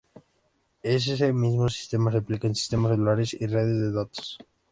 Este sistema se aplica en sistemas celulares y redes de datos.